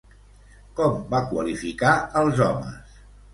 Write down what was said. Com va qualificar als homes?